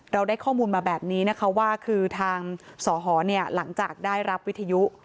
เราได้ข้อมูลมาแบบนี้นะคะว่าคือทางสฮหลังจากได้รับวิทยุ